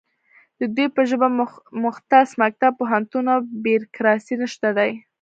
د دوی په ژبه مختص مکتب، پوهنتون او بیرکراسي نشته دی